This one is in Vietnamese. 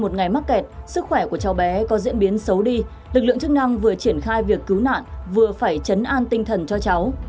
một ngày mắc kẹt sức khỏe của cháu bé có diễn biến xấu đi lực lượng chức năng vừa triển khai việc cứu nạn vừa phải chấn an tinh thần cho cháu